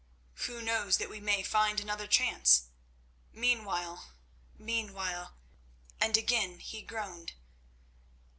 "Who knows that we may find another chance? Meanwhile, meanwhile—" and again he groaned.